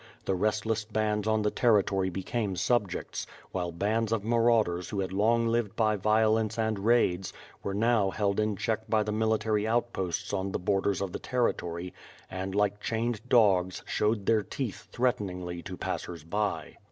The restless bands on the territory became subjects; while bands of marauders who had long lived by violence and raids, w^ere now held in check by the military outposts on the borders of the territory, and like chained dogs, showed their teeth threateningly to passers by.